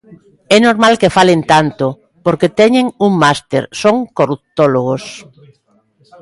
É normal que falen tanto, porque teñen un máster, son corruptólogos.